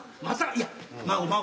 まさか。